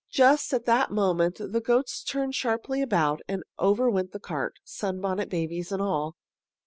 Just at that moment the goats turned sharply about, and over went the cart, Sunbonnet Babies and all.